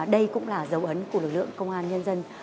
đây cũng là dấu ấn của lực lượng công an nhân dân